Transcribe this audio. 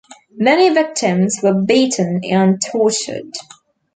Many victims were beaten and tortured.